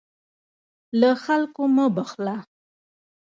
له خلکو مه بخله.